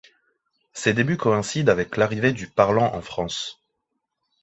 Ses débuts coïncident avec l’arrivée du parlant en France.